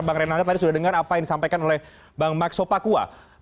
bang renanda tadi sudah dengar apa yang disampaikan oleh bang max sopakua